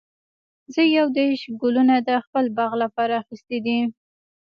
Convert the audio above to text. زه یو دیرش ګلونه د خپل باغ لپاره اخیستي دي.